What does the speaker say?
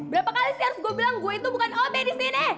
berapa kali sih harus gue bilang gue itu bukan home di cnn